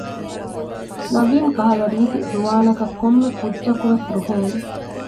ނަވީން ކަހަލަ ރީތި ޒުވާނަކަށް ކޮންމެކުއްޖަކުވެސް ރުހޭނެ